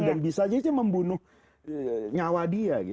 dan bisa saja membunuh nyawa dia